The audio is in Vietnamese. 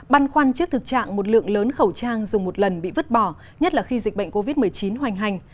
băn khoăn trước thực trạng một lượng lớn khẩu trang dùng một lần bị vứt bỏ nhất là khi dịch bệnh covid một mươi chín hoành hành